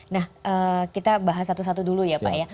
nah kita bahas satu satu dulu ya pak ya